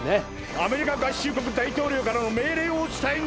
アメリカ合衆国大統領からの命令を伝えに来た。